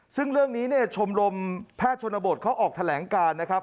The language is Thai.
ซึ่งเรื่องนี้เนี่ยชมรมแพทย์ชนบทเขาออกแถลงการนะครับ